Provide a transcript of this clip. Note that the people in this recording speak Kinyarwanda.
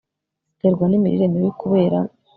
ziterwa n'imirire mibi kubera